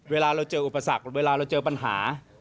เวลาเราเจออุปสรรคเวลาเราเจอปัญหา